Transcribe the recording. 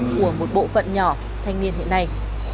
của một bộ phận nhỏ thanh niên hiện nay